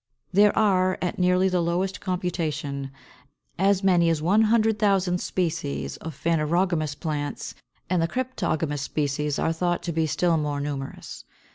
527. There are, at nearly the lowest computation, as many as one hundred thousand species of phanerogamous plants, and the cryptogamous species are thought to be still more numerous.